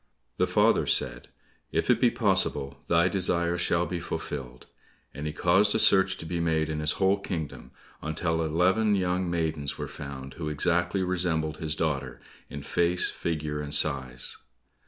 The father said, "If it be possible, thy desire shall be fulfilled," and he caused a search to be made in his whole kingdom, until eleven young maidens were found who exactly resembled his daughter in face, figure, and size.